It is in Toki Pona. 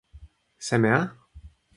seme a?